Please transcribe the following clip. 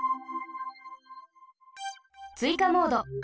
ついかモード。